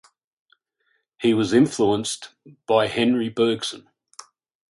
He was influenced by Henri Bergson.